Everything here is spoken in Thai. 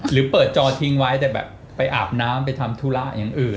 หรือเปิดจอทิ้งไว้แต่แบบไปอาบน้ำไปทำธุระอย่างอื่น